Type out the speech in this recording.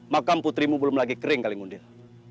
makam putrimu belum lagi kering kalingundil